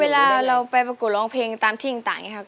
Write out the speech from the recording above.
เวลาเราไปประกวดร้องเพลงตามที่ต่างอย่างนี้ครับ